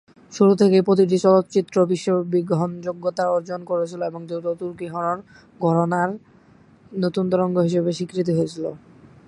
শুরু থেকেই, প্রতিটি চলচ্চিত্র বিশ্বব্যাপী গ্রহণযোগ্যতা অর্জন করেছিল এবং দ্রুত তুর্কি হরর ঘরানার নতুন তরঙ্গ হিসাবে স্বীকৃত হয়েছিল।